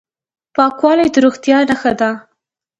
پاکوالی د روغتیا نښه ده.